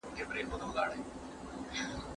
دا خوږې غوړې ګولۍ دې وي د نورو